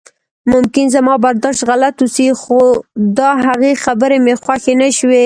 ممکن زما برداشت غلط اوسي خو د هغې خبرې مې خوښې نشوې.